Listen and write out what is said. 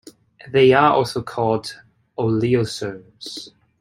They are also called oleosomes.